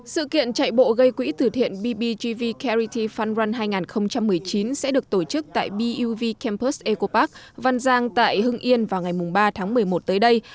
sự kiện chạy bộ gây quỹ từ thiện bbgv charity fun run hai nghìn một mươi chín sẽ được tổ chức tại buv campus ecopark văn giang tại hưng yên vào ngày ba tháng một mươi một tới đây